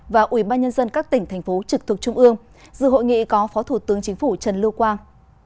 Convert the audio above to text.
và ubnd các tỉnh thành phố trực thuộc trung ương dự hội nghị có phó thủ tướng chính phủ trần lưu quang